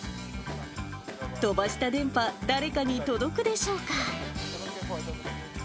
飛ばした電波、誰かに届くでしょうか。